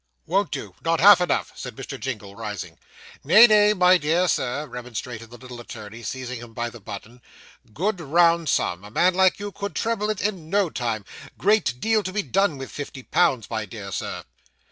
'Won't do not half enough!' said Mr. Jingle, rising. 'Nay, nay, my dear Sir,' remonstrated the little attorney, seizing him by the button. 'Good round sum a man like you could treble it in no time great deal to be done with fifty pounds, my dear Sir.